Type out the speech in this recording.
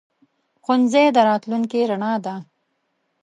ښوونځی د راتلونکي رڼا ده.